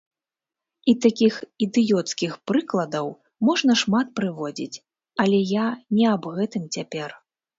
І такіх ідыёцкіх прыкладаў можна шмат прыводзіць, але я не аб гэтым цяпер.